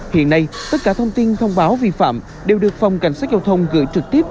hiện nay tất cả thông tin thông báo vi phạm đều được phòng cảnh sát giao thông gửi trực tiếp